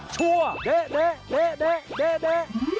ชัวร์เด๊ะเด๊ะเด๊ะเด๊ะเด๊ะ